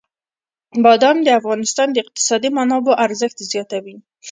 بادام د افغانستان د اقتصادي منابعو ارزښت زیاتوي.